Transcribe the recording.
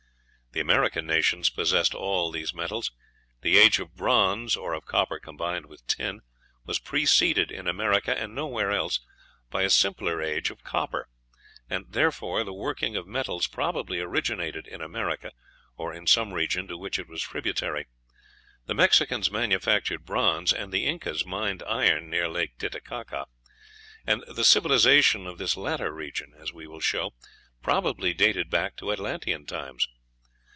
The American nations possessed all these metals. The age of bronze, or of copper combined with tin, was preceded in America, and nowhere else, by a simpler age of copper; and, therefore, the working of metals probably originated in America, or in some region to which it was tributary. The Mexicans manufactured bronze, and the Incas mined iron near Lake Titicaca; and the civilization of this latter region, as we will show, probably dated back to Atlantean times.